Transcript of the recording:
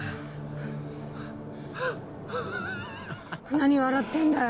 何笑ってんだよ。